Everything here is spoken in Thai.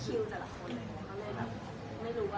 คิดว่าถ้ากันทันทานอาจจะไม่ได้แต่ว่านานมาก